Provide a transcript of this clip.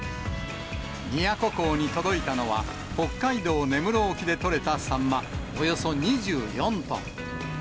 宮古港に届いたのは、北海道根室沖で取れたサンマ、およそ２４トン。